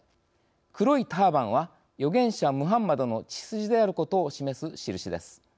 黒いターバンは預言者ムハンマドの血筋であることを示す印です。